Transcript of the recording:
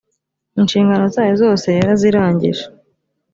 inshingano zayo zose yarazirangije.